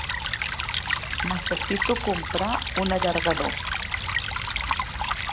Necessito comprar un allargador